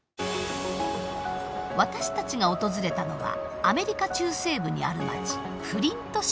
私たちが訪れたのはアメリカ中西部にある街フリント市です。